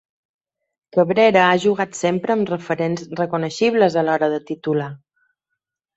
Cabrera ha jugat sempre amb referents reconeixibles a l'hora de titular.